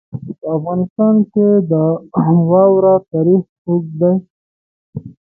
په افغانستان کې د واوره تاریخ اوږد دی.